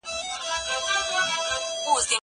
که وخت وي، پوښتنه کوم!.